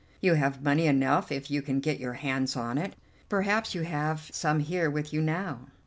You have money enough if you can get your hands on it. Perhaps you have some here with you now."